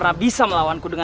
aku harus menolongnya